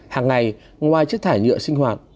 hàng ngày ngoài chất thải nhựa sinh hoạt